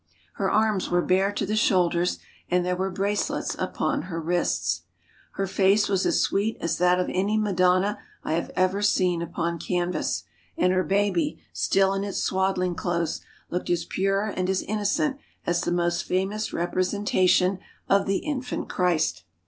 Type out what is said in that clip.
Her arms were bare to the shoulders and there were bracelets upon her wrists. Her face was as sweet as that of any Madonna I have ever seen upon canvas, and her baby, still in its swaddling clothes, looked as pure and as innocent as the most famous representation of the infant Christ.